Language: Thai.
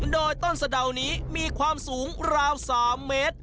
โดยต้นสะดาวนี้มีความสูงราว๓เมตร